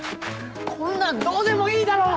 こんなんどうでもいいだろ！